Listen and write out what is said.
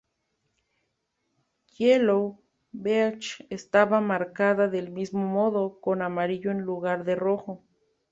Yellow Beach estaba marcada del mismo modo, con amarillo en lugar de rojo.